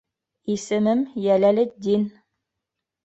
Исемем Йәләлетдин.